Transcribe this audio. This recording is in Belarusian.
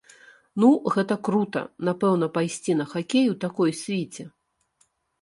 Ну гэта крута, напэўна, пайсці на хакей у такой свіце.